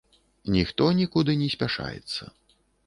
Ніхто нікуды не спяшаецца.